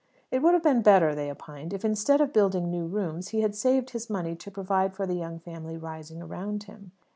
It would have been better, they opined, if, instead of building new rooms, he had saved his money to provide for the young family rising around him.